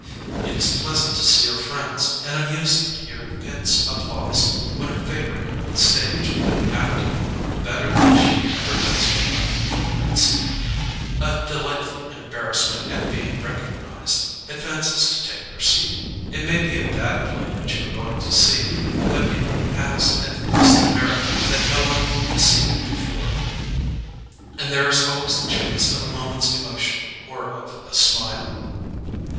It is pleasant to see your friends and amusing to hear the pit's applause when a favourite of the stage, acting, better than she ever does behind the footlights, a delightful embarrassment at being recognised, advances to take her seat. It may be a bad play that you are going to see, but it has at least the merit that no one has seen it before; and there is always the chance of a moment's emotion or of a smile.